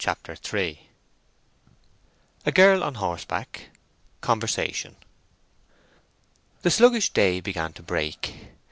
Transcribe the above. CHAPTER III A GIRL ON HORSEBACK—CONVERSATION The sluggish day began to break.